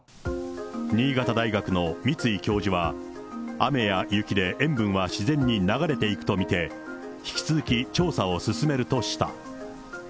雨や雪で塩分は自然に流れていくと見て、引き続き調査を進めるとした。